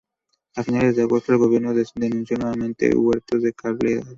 A finales de agosto el gobierno denunció nuevamente hurtos de cableado.